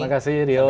terima kasih rio